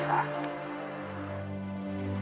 cinta tak akan pergi